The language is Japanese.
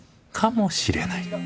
かもしれない。